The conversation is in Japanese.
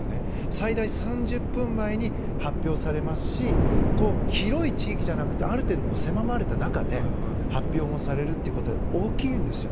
最大３０分前に発表されますし広い地域じゃなくてある程度、狭まれた中で発表もされるということで大きいんですよ。